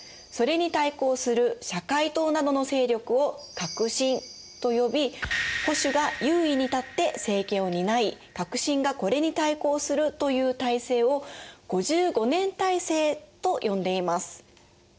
それに対抗する社会党などの勢力を「革新」と呼び保守が優位に立って政権を担い革新がこれに対抗するという体制を５５年体制と呼んでいます。